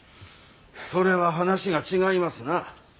それは話が違いますな。